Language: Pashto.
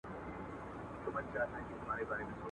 اوس پر څه دي جوړي کړي غلبلې دي.